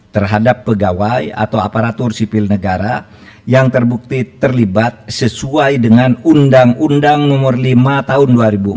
terhadap pegawai atau aparatur sipil negara yang terbukti terlibat sesuai dengan undang undang nomor lima tahun dua ribu empat belas